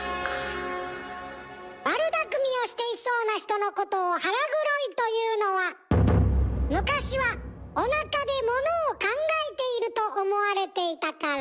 悪だくみをしていそうな人のことを「腹黒い」というのは昔はおなかでものを考えていると思われていたから。